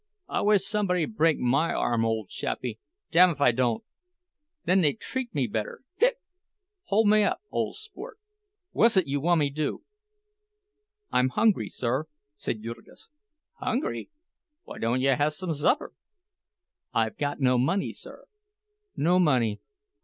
I wish somebody'd break my arm, ole chappie—damfidon't! Then they'd treat me better—hic—hole me up, ole sport! Whuzzit you wamme do?" "I'm hungry, sir," said Jurgis. "Hungry! Why don't you hassome supper?" "I've got no money, sir." "No money!